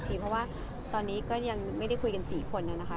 แต่ว่าตอนนี้ก็ยังไม่ได้คุยกันสีคนเลยนะคะ